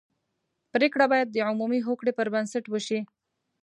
پرېکړه باید د عمومي هوکړې پر بنسټ وشي.